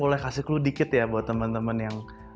boleh kasih clue dikit ya buat temen temen yang